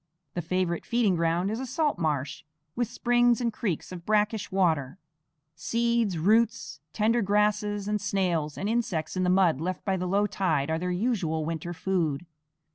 The favorite feeding ground is a salt marsh, with springs and creeks of brackish water. Seeds, roots, tender grasses, and snails and insects in the mud left by the low tide are their usual winter food.